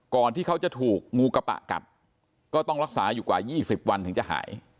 ที่เขาจะถูกงูกระปะกัดก็ต้องรักษาอยู่กว่า๒๐วันถึงจะหาย